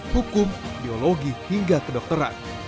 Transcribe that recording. hukum biologi hingga kedokteran